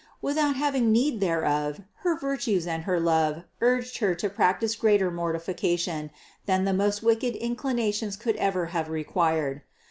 Without having need thereof her virtues and her love urged Her to practice greater mortification than the most wicked in clinations could ever have required.